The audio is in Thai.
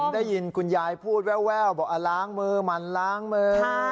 ได้ยินคุณยายพูดแววบอกล้างมือมันล้างมือ